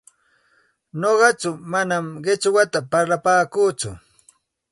Nuqaku manam qichwata parlapaakuuchu,